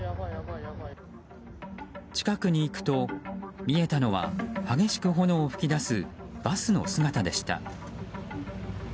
近くに行くと見えたのは激しく炎を噴き出すバスの姿でした。